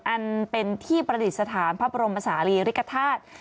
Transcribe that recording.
อันเป็นที่ประดิษฐานพระบรมศาลีริกฐาตุ